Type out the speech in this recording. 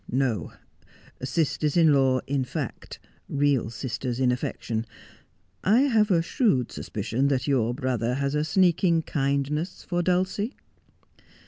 ' No. Sisters in law in fact, real sisters in affection. I have a shrewd suspicion that your brother has a sneaking kindness for Dulcie.'